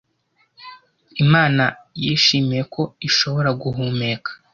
Imana yishimiye ko ishobora guhumeka,